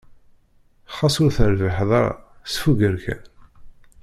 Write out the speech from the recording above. Xas ur terbiḥeḍ ara, sfugger kan.